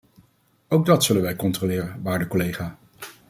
Ook dat zullen wij controleren, waarde collega.